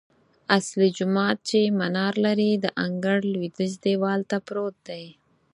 اصلي جومات چې منار لري، د انګړ لویدیځ دیوال ته پروت دی.